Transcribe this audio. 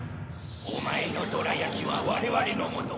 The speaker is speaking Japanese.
オマエのどら焼きは我々のもの。